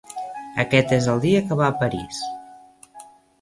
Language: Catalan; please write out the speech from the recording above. Aquest és el dia que va a París.